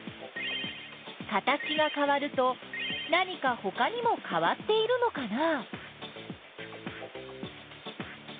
形がかわると何かほかにもかわっているのかな？